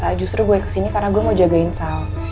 gak asal justru gue kesini karena gue mau jagain sal